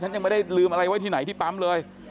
ยังไม่ได้ลืมอะไรไว้ที่ไหนที่ปั๊มเลย